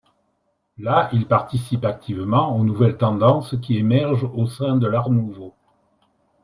Là il participe activement aux nouvelles tendances qui émergent au sein de l'art nouveau.